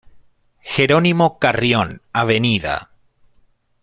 Gerónimo Carrión, Av.